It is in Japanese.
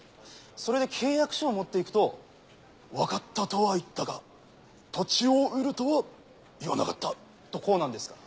それで契約書を持って行くと「わかったとは言ったが土地を売るとは言わなかった」とこうなんですから。